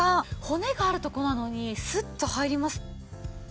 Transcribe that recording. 骨があるとこなのにスッと入ります。